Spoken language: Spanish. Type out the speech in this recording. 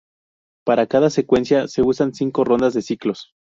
Para cada secuencia se usan cinco rondas de ciclos.